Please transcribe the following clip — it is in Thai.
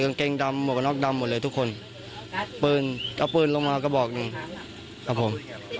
งเกงดำหมวกกระน็อกดำหมดเลยทุกคนปืนเอาปืนลงมากระบอกหนึ่งครับผม